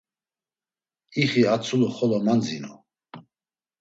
İxi a tzulu xolo mandzinu.